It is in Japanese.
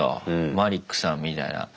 マリックさんみたいな。